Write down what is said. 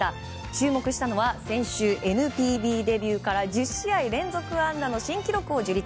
注目したのは先週ＮＰＢデビューから１０試合連続安打の新記録を樹立。